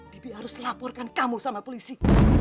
bibi harus laporkan kamu sama polisi